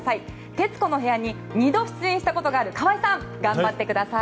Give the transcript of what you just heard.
「徹子の部屋」に２度出演したことがある川合さん頑張ってください。